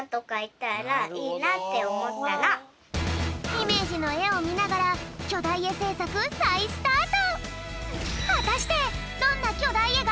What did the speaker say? イメージのえをみながらきょだいえせいさくさいスタート！